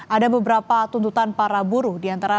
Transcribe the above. ada beberapa tuntutan para buruh diantara